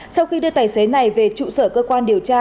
sau khi đưa tài xế này về trụ sở cơ quan điều tra